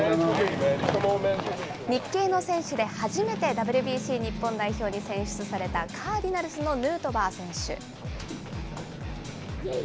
日系の選手で初めてＷＢＣ日本代表に選出された、カーディナルスのヌートバー選手。